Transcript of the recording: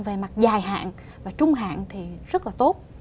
về mặt dài hạn và trung hạn thì rất là tốt